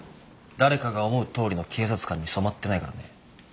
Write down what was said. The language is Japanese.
誰かが思うとおりの警察官に染まってないからね。